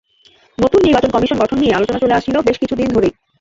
নতুন নির্বাচন কমিশন গঠন নিয়ে আলোচনা চলে আসছিল বেশ কিছু দিন ধরেই।